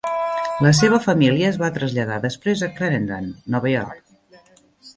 La seva família es va traslladar després a Clarendon, Nova York.